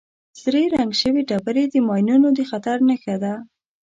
سرې رنګ شوې ډبرې د ماینونو د خطر نښه ده.